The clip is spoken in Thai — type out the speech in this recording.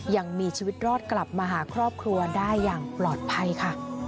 ยังมีชีวิตรอดกลับมาหาครอบครัวได้อย่างปลอดภัยค่ะ